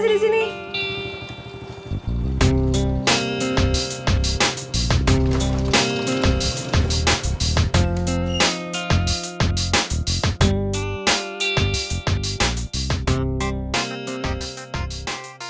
sekarang ev saya kembali